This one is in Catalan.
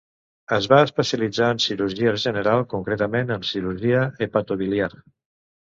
Es va especialitzar en cirurgia general, concretament en cirurgia hepatobiliar.